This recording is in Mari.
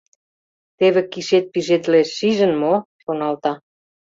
«Теве кишет пижедылеш, шижын мо?..» — шоналта.